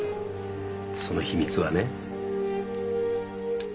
その秘密はね。